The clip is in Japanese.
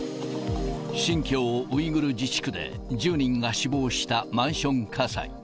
新疆ウイグル自治区で１０人が死亡したマンション火災。